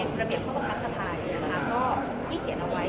ไม่ได้สบายไม่ได้สบาย